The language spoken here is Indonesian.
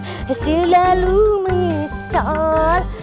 saya selalu menyesal